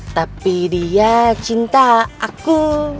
tapi dia cinta aku